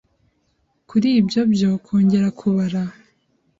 Kuri ibyo byo kongera kubara